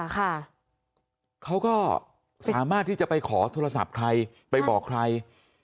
เขาก็สามารถที่จะไปขอโทรศัพท์ใครไปบอกใคร